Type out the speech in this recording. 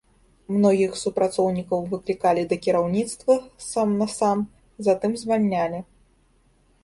Многіх супрацоўнікаў выклікалі да кіраўніцтва сам-насам, затым звальнялі.